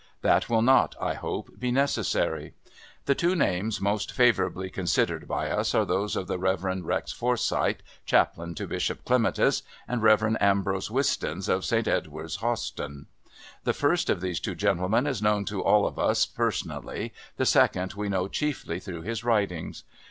That will not, I hope, be necessary. The two names most favourably considered by us are those of the Rev. Rex Forsyth, Chaplain to Bishop Clematis, and the Rev. Ambrose Wistons of St. Edward's Hawston. The first of these two gentlemen is known to all of us personally, the second we know chiefly through his writings.